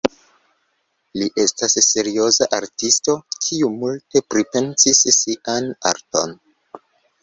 Li estis serioza artisto, kiu multe pripensis sian arton.